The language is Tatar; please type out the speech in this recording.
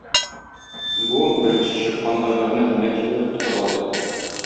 Бу - беренче чыккан айгырны элмәк җибәреп, тотып алды.